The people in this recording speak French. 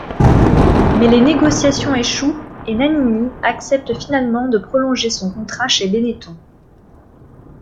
Mais les négociations échouent et Nannini accepte finalement de prolonger son contrat chez Benetton.